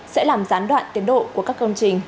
sẽ làm gián đoạn tiến độ của các công trình